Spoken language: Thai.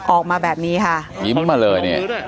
ออกมาแบบนี้ค่ะยิ้มมาเลย